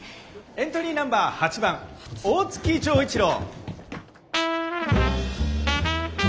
エントリーナンバー８番大月錠一郎。